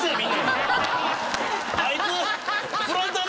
あいつ。